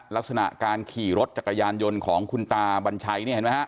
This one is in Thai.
ลักษณะการขี่รถจักรยานยนต์ของคุณตาบัญชัย